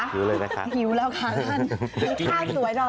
ท่านคะท่านคะหิวแล้วคะ